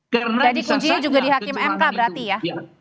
jadi kuncinya juga di hakim mk berarti ya